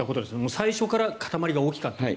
最初から塊が大きかった。